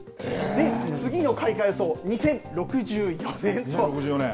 次の開花予想、２０６４年という。